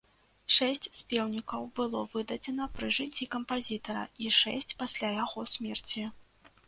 Шэсць спеўнікаў было выдадзена пры жыцці кампазітара, і шэсць пасля яго смерці.